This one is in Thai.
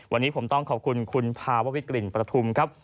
วันนี้ผมต้องขอบคุณคุณภาววิกลิ่นประทุมครับ